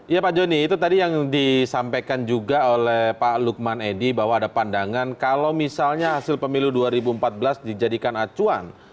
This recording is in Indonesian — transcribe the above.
ya pak joni itu tadi yang disampaikan juga oleh pak lukman edi bahwa ada pandangan kalau misalnya hasil pemilu dua ribu empat belas dijadikan acuan